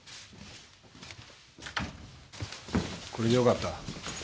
これでよかった？